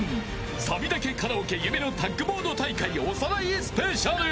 サビだけカラオケ夢のタッグモード大会おさらいスペシャル］